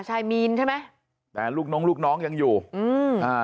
ชายมีนใช่ไหมแต่ลูกน้องลูกน้องยังอยู่อืมอ่า